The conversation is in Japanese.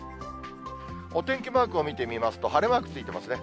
お天気マークを見てみますと、晴れマークついていますね。